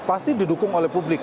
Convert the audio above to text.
pasti didukung oleh publik